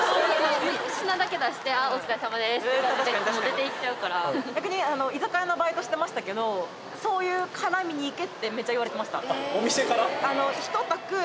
品だけ出して、ああ、お疲れさまですっていう感じで出て行っ逆に、居酒屋のバイトしてましたけど、そういうからみに行けってめっちゃ言われてました。